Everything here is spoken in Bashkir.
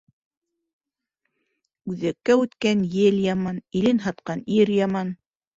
Үҙәккә үткән ел яман, илен һатҡан ир яман.